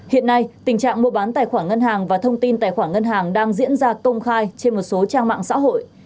hiện nay tình trạng mua bán tài khoản ngân hàng và thông tin tài khoản ngân hàng đang diễn ra công khai trên một số trang mạng xã hội